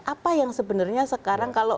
apa yang sebenarnya sekarang